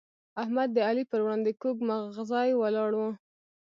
احمد د علي پر وړاندې کوږ مغزی ولاړ وو.